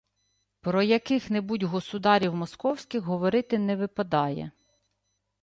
Про яких-небудь «государів московських» говорити не випадає